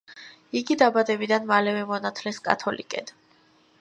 იგი დაბადებიდან მალევე მონათლეს კათოლიკედ.